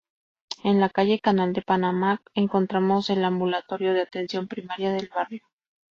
En la calle Canal de Panamá encontramos el ambulatorio de Atención Primaria del barrio.